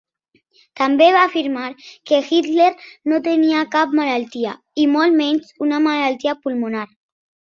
També va afirmar que Hitler no tenia cap malaltia, i molt menys una malaltia pulmonar.